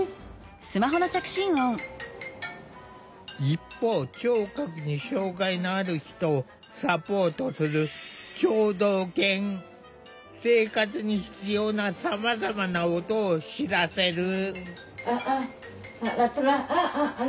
一方聴覚に障害のある人をサポートする生活に必要なさまざまな音を知らせる。